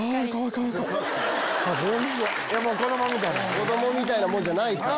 子供みたいなもんじゃないから。